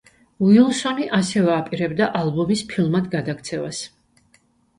უილსონი ასევე აპირებდა ალბომის ფილმად გადაქცევას.